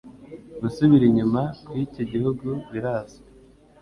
Gusubira inyuma kwicyo gihugu birazwi.